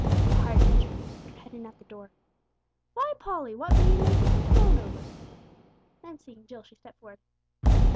A hard featured woman put her head in at the door. "Why, Polly, what be 'ee makin' such a moan over?" Then seeing Jill, she stepped forward.